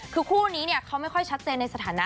คือคู่นี้เขาไม่ค่อยชัดเจนในสถานะ